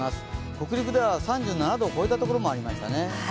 北陸では３７度を超えたところもありましたね。